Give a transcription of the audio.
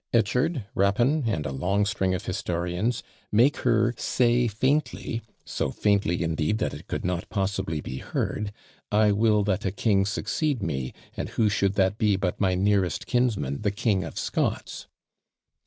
Echard, Rapin, and a long string of historians, make her say faintly (so faintly indeed that it could not possibly be heard), "I will that a king succeed me, and who should that be but my nearest kinsman, the King of Scots?"